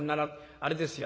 あれですよ